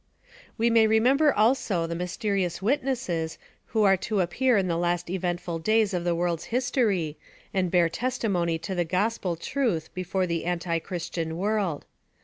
" We may remember also the mysterious witnesses who are to appear in the last eventful days of the world's history and bear testimony to the Gospel truth before the antichristian world.